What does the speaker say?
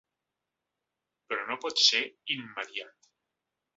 Però no pot ser immediat.